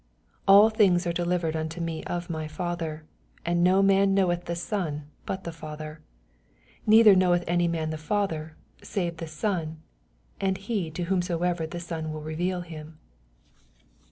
27 All things are delivered unto me of mv Father : and no man know eth the Son, but the Father ; neither knoweth any man the Father, sav* 116 EZPOSITOBT THOUGHTS. the Son, and It to whomBoever the Son will reveal Aim.